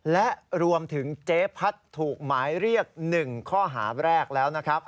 และรวมถึงเจ๊พัดถูกหมายเรียก๑ข้อหาแรกแล้วนะครับ